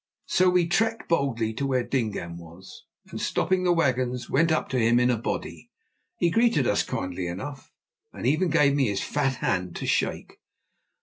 So we trekked boldly to where Dingaan was, and, stopping the wagons, went up to him in a body. He greeted us kindly enough, and even gave me his fat hand to shake.